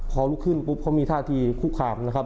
พอลุกขึ้นปุ๊บเขามีท่าทีคุกคามนะครับ